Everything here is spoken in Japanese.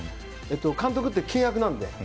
監督って契約なので。